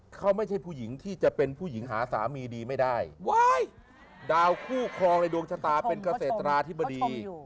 เขาไม่ใช่ผู้หญิงที่จะเป็นผู้หญิงหาสามีดีไม่ได้ดาวคู่ครองในดวงชะตาเป็นเกษตราธิบดี